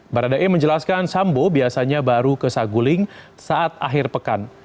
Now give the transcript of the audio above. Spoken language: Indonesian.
baradae menjelaskan sambo biasanya baru ke saguling saat akhir pekan